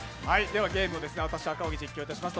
ゲームを私、赤荻が実況いたします。